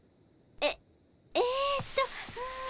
えっえっとうん。